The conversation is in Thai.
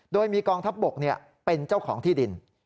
โดยมีกองทัพบกเป็นเจ้าของที่ดิน